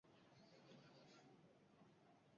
বেশ, ও যদি বুঝতেও পারে, তবুও তোমায় সাহায্য করতে চাইবে না।